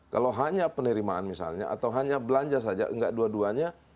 kalau hanya penerimaan misalnya atau hanya belanja saja nggak dua duanya